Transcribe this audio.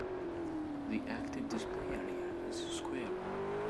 The active display area is square.